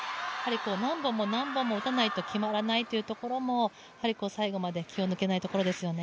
何本も何本も打たないと決まらないところも最後まで気を抜けないところですよね。